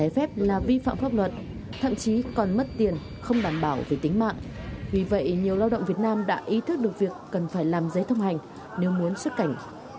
trái phép là vi phạm pháp luật thậm chí còn mất tiền không đảm bảo về tính mạng vì vậy nhiều lao động việt nam đã ý thức được việc cần phải làm giấy thông hành nếu muốn xuất cảnh